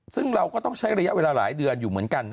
ซึ่งเราก็ต้องใช้ระยะเวลาหลายเดือนอยู่เหมือนกัน